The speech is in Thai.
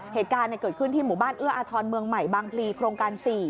เหตุการณ์เกิดขึ้นที่หมู่บ้านเอื้ออาทรเมืองใหม่บางพลีโครงการ๔